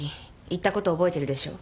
言ったこと覚えてるでしょ？